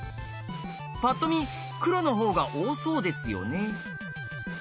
パッと見黒のほうが多そうですよね。